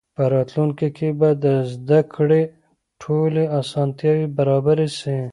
په راتلونکي کې به د زده کړې ټولې اسانتیاوې برابرې سي.